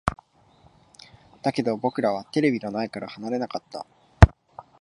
だけど、僕らはテレビの前から離れなかった。